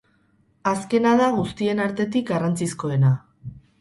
Azkena da guztien artetik garrantzizkoena.